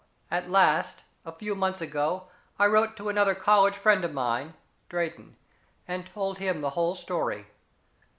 At last, a few months ago, I wrote to another college friend of mine, Drayton, and told him the whole story.